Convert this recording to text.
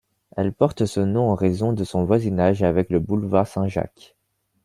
Elle porte ce nom en raison de son voisinage avec le boulevard Saint-Jacques.